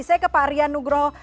saya ke pak aryan nugroh